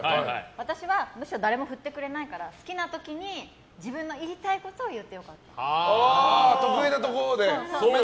私はむしろ誰も振ってくれないから好きな時に自分の言いたいことを言う。